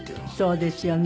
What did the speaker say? そうですよね。